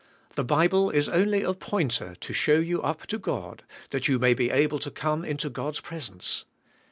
The Bible is only a pointer to show you up to God, that you may be able to come into God's presence.